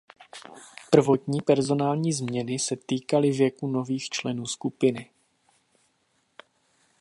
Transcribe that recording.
Prvotní personální změny se týkaly věku nových členů skupiny.